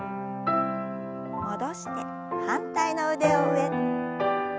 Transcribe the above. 戻して反対の腕を上。